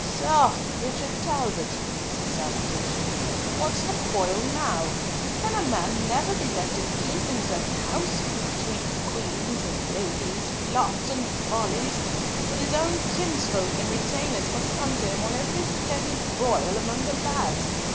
"Soh! Richard Talbot," was his salutation, "what's the coil now? Can a man never be left in peace in his own house, between queens and ladies, plots and follies, but his own kinsfolk and retainers must come to him on every petty broil among the lads!